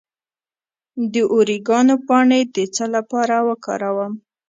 د اوریګانو پاڼې د څه لپاره وکاروم؟